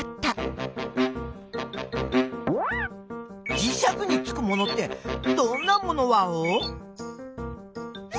じしゃくにつくものってどんなものワオ？